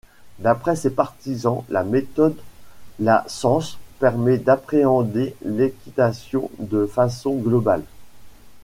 D'après ses partisans, la méthode La Cense permet d’appréhender l’équitation de façon globale.